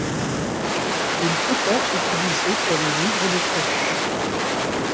Il peut être utilisé pour les livres de poche.